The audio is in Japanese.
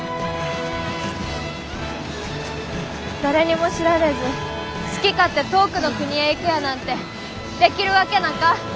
誰にも知られず好き勝手遠くの国へ行くやなんてできるわけなか。